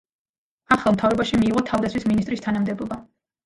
ახალ მთავრობაში მიიღო თავდაცვის მინისტრის თანამდებობა.